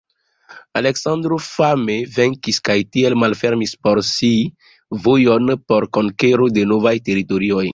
Aleksandro fame venkis kaj tiel malfermis por si vojon por konkero de novaj teritorioj.